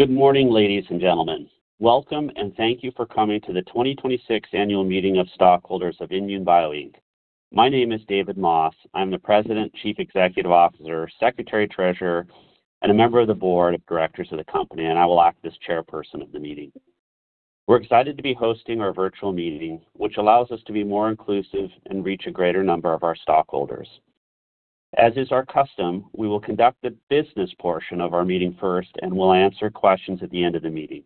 Good morning, ladies and gentlemen. Welcome, and thank you for coming to the 2026 Annual Meeting of Stockholders of INmune Bio, Inc. My name is David Moss. I'm the President, Chief Executive Officer, Secretary Treasurer, and a member of the Board of Directors of the company, and I will act as chairperson of the meeting. We're excited to be hosting our virtual meeting, which allows us to be more inclusive and reach a greater number of our stockholders. As is our custom, we will conduct the business portion of our meeting first. We'll answer questions at the end of the meeting.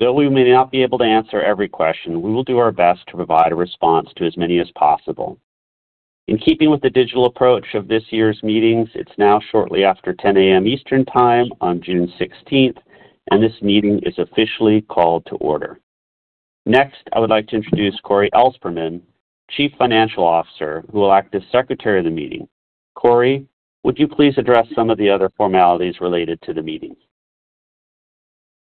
Though we may not be able to answer every question, we will do our best to provide a response to as many as possible. In keeping with the digital approach of this year's meetings, it's now shortly after 10:00 A.M. Eastern Time on June 16th. This meeting is officially called to order. Next, I would like to introduce Cory Ellspermann, Chief Financial Officer, who will act as Secretary of the meeting. Cory, would you please address some of the other formalities related to the meeting?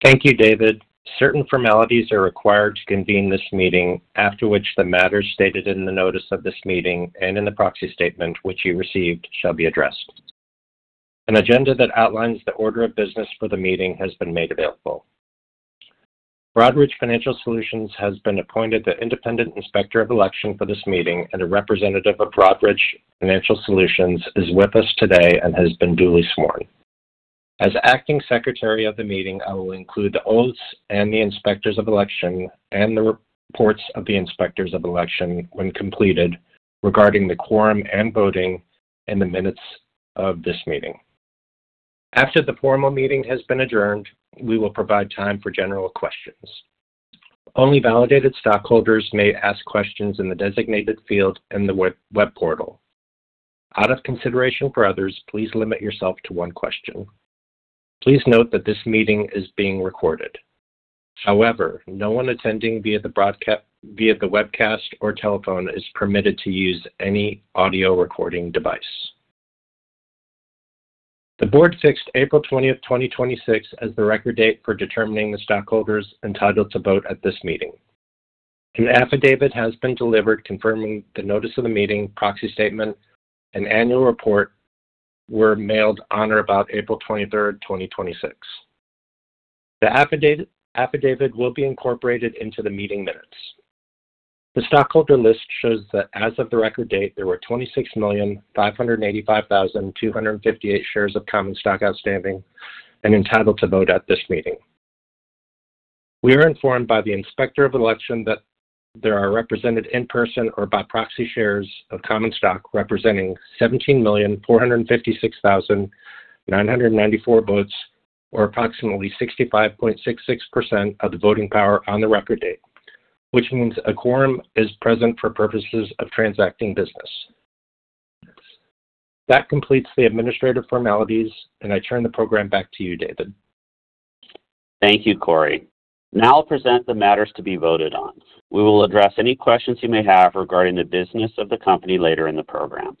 Thank you, David. Certain formalities are required to convene this meeting, after which the matters stated in the notice of this meeting and in the proxy statement which you received shall be addressed. An agenda that outlines the order of business for the meeting has been made available. Broadridge Financial Solutions has been appointed the independent inspector of election for this meeting. A representative of Broadridge Financial Solutions is with us today and has been duly sworn. As acting Secretary of the meeting, I will include the oaths and the inspectors of election and the reports of the inspectors of election when completed regarding the quorum and voting in the minutes of this meeting. After the formal meeting has been adjourned, we will provide time for general questions. Only validated stockholders may ask questions in the designated field in the web portal. Out of consideration for others, please limit yourself to one question. Please note that this meeting is being recorded. No one attending via the webcast or telephone is permitted to use any audio recording device. The board fixed April 20th, 2026, as the record date for determining the stockholders entitled to vote at this meeting. An affidavit has been delivered confirming the notice of the meeting, proxy statement, and annual report were mailed on or about April 23rd, 2026. The affidavit will be incorporated into the meeting minutes. The stockholder list shows that as of the record date, there were 26,585,258 shares of common stock outstanding and entitled to vote at this meeting. We are informed by the inspector of election that there are represented in person or by proxy shares of common stock representing 17,456,994 votes, or approximately 65.66% of the voting power on the record date, which means a quorum is present for purposes of transacting business. That completes the administrative formalities, and I turn the program back to you, David. Thank you, Cory. Now I'll present the matters to be voted on. We will address any questions you may have regarding the business of the company later in the program.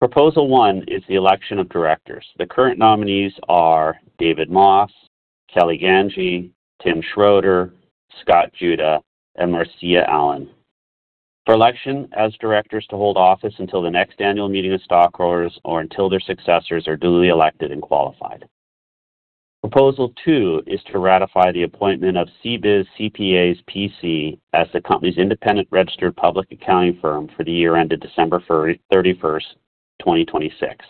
Proposal one is the election of directors. The current nominees are David Moss, Kelly Ganjei, Tim Schroeder, Scott Juda, and Marcia Allen for election as directors to hold office until the next annual meeting of stockholders or until their successors are duly elected and qualified. Proposal two is to ratify the appointment of CBIZ CPAs, P.C. as the company's independent registered public accounting firm for the year ended December 31st, 2026.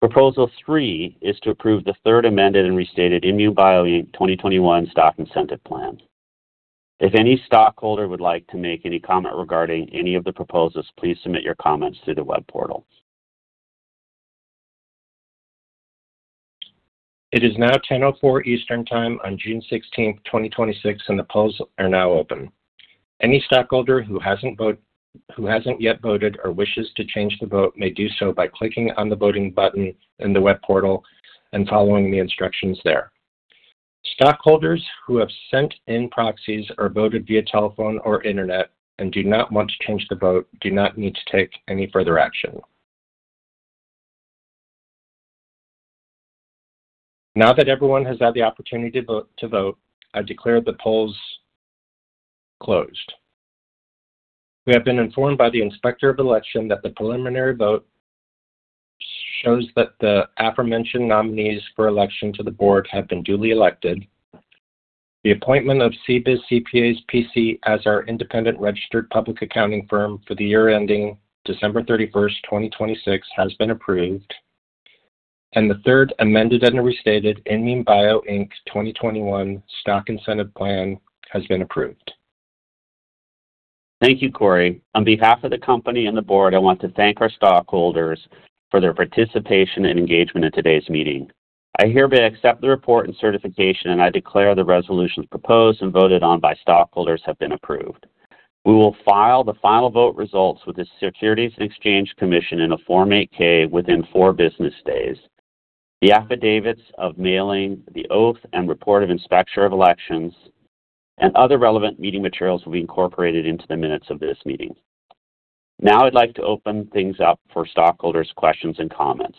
Proposal three is to approve the third amended and restated INmune Bio, Inc 2021 Stock Incentive Plan. If any stockholder would like to make any comment regarding any of the proposals, please submit your comments through the web portal. It is now 10:04 A.M. Eastern Time on June 16th, 2026, and the polls are now open. Any stockholder who hasn't yet voted or wishes to change the vote may do so by clicking on the voting button in the web portal and following the instructions there. Stockholders who have sent in proxies or voted via telephone or internet and do not want to change the vote do not need to take any further action. Now that everyone has had the opportunity to vote, I declare the polls closed. We have been informed by the inspector of election that the preliminary vote shows that the aforementioned nominees for election to the board have been duly elected. The appointment of CBIZ CPAs P.C. as our independent registered public accounting firm for the year ending December 31st, 2026, has been approved, and the third amended and restated INmune Bio, Inc 2021 Stock Incentive Plan has been approved. Thank you, Cory. On behalf of the company and the board, I want to thank our stockholders for their participation and engagement in today's meeting. I hereby accept the report and certification. I declare the resolutions proposed and voted on by stockholders have been approved. We will file the final vote results with the Securities and Exchange Commission in a Form 8-K within four business days. The affidavits of mailing, the oath and report of inspector of elections, and other relevant meeting materials will be incorporated into the minutes of this meeting. I'd like to open things up for stockholders' questions and comments.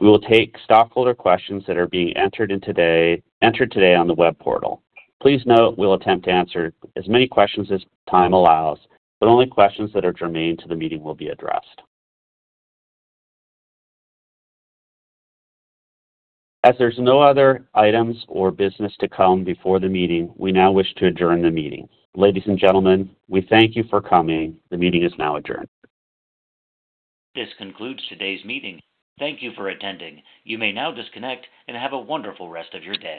We will take stockholder questions that are being entered today on the web portal. Please note we'll attempt to answer as many questions as time allows, but only questions that are germane to the meeting will be addressed. There's no other items or business to come before the meeting, we now wish to adjourn the meeting. Ladies and gentlemen, we thank you for coming. The meeting is now adjourned. This concludes today's meeting. Thank you for attending. You may now disconnect and have a wonderful rest of your day.